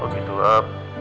oh gitu pak